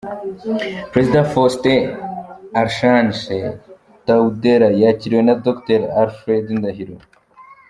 Perezida Faustin-Archange Touadéra yakiriwe na Dr Alfred Ndahiro.